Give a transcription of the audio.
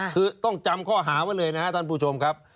คือต้องจำข้อหาไว้เลยนะครับท่านผู้ชมครับ